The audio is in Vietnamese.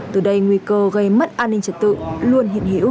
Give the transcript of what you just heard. từ đây nguy cơ gây mất an ninh trật tự luôn hiện hữu